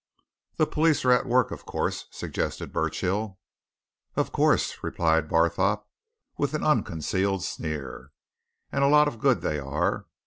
"The police are at work, of course," suggested Burchill. "Of course!" replied Barthorpe, with an unconcealed sneer. "And a lot of good they are.